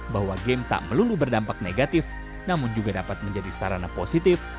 bahwa game tak melulu berdampak negatif namun juga dapat menjadi sarana positif